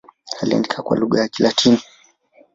Aliandika kwa lugha ya Kilatini.